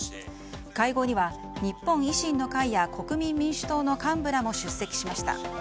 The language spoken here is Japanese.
会合には日本維新の会や国民民主党の幹部らも出席しました。